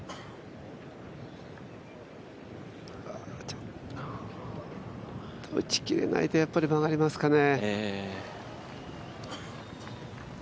ちょっと打ち切れないとやっぱり曲がりますかね。